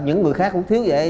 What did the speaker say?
những người khác cũng thiếu vậy